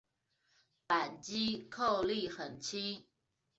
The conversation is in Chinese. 扳机扣力很轻。